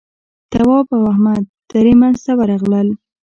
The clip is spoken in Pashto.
تواب او احمد درې مينځ ته ورغلل.